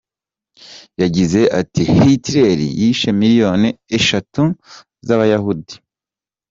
Yagize ati “Hitler yishe miliyoni eshatu z’Abayahudi.